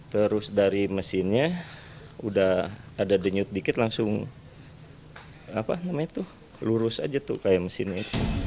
terus dari mesinnya udah ada denyut dikit langsung apa namanya tuh lurus aja tuh kayak mesinnya itu